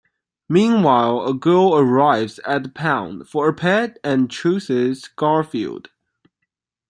Meanwhile, a girl arrives at the pound for a pet and chooses Garfield.